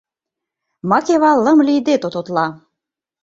— Макева лым лийде тототла.